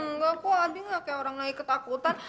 enggak kok abi gak kayak orang naik ketakutan